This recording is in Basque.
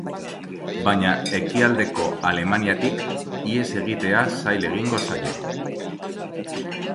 Baina Ekialdeko Alemaniatik ihes egitea zail egingo zaie.